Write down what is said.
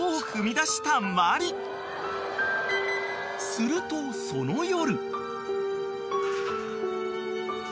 ［するとその夜］